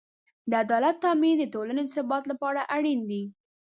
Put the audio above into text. د عدالت تأمین د ټولنې د ثبات لپاره اړین دی.